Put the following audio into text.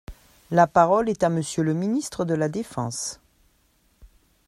La parole est à Monsieur le ministre de la défense.